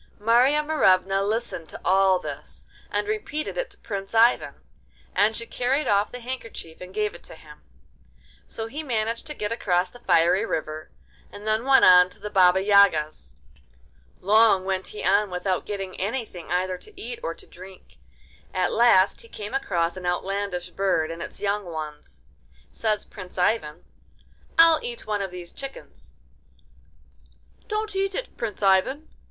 Marya Morevna listened to all this, and repeated it to Prince Ivan, and she carried off the handkerchief and gave it to him. So he managed to get across the fiery river, and then went on to the Baba Yaga's. Long went he on without getting anything either to eat or to drink. At last he came across an outlandish bird and its young ones. Says Prince Ivan: 'I'll eat one of these chickens.' 'Don't eat it, Prince Ivan!